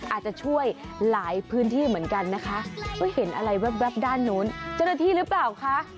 อาจจะช่วยหลายพื้นที่เหมือนกันนะคะว่าเห็นอะไรแว๊บด้านนู้นเจ้าหน้าที่หรือเปล่าคะ